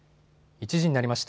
１時になりました。